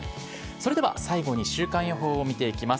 それでは最後に週間予報を見ていきます。